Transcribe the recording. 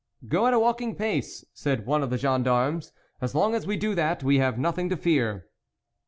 " Go at a walking pace," said one of the gendarmes, " as long as we do that, we have nothing to fear."